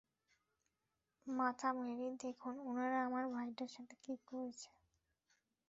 মাতা মেরি, দেখুন উনারা আমার ভাইটার সাথে কি করেছে।